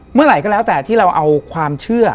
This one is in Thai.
เมื่อไหร่ก็แล้วแต่ที่เราเอาความเชื่อ